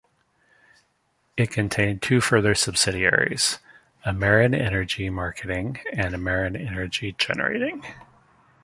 It contained two further subsidiaries, AmerenEnergy Marketing, and AmerenEnergy Generating.